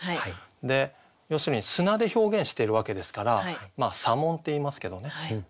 で要するに砂で表現してるわけですから砂紋っていいますけどね。